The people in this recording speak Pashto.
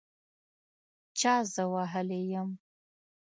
چا زه وهلي یم